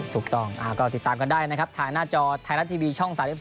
ถูกต้องก็ติดตามกันได้นะครับทางหน้าจอไทยรัฐทีวีช่อง๓๒